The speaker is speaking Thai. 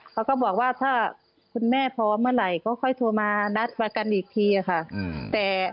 เขาก็บอกว่าถ้าคุณแม่พร้อมเมื่อไหร่ก็ค่อยโทรมานัดประกันอีกทีค่ะ